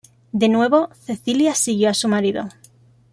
De nuevo, Cecilia siguió a su marido.